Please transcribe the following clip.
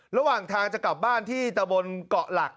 ระหว่างทางจะกลับบ้านที่ตะบนเกาะหลัก